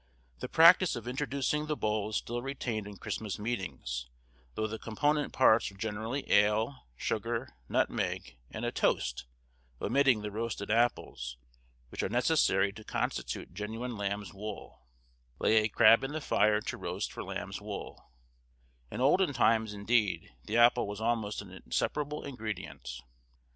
The practice of introducing the bowl is still retained in Christmas meetings, though the component parts are generally ale, sugar, nutmeg, and a toast, omitting the roasted apples, which are necessary to constitute genuine lamb's wool; "lay a crab in the fire to roast for lamb's wool;" in olden times indeed the apple was almost an inseparable ingredient.